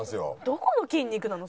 どこの筋肉なの？